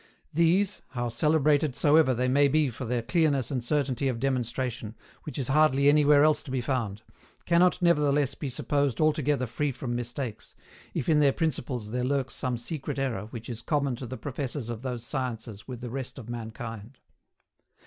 These, how celebrated soever they may be for their clearness and certainty of demonstration, which is hardly anywhere else to be found, cannot nevertheless be supposed altogether free from mistakes, if in their principles there lurks some secret error which is common to the professors of those sciences with the rest of mankind.